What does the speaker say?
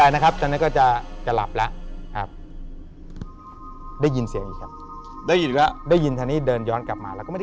นอนครับ